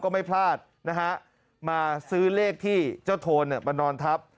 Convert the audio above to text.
ก็ไม่พลาดนะฮะมาซื้อเลขที่เจ้าโทนมานอนทับ